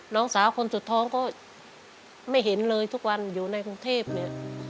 น้องสาวคนสุดท้องก็ไม่เห็นเลยทุกวันอยู่ในกรุงเทพเนี่ย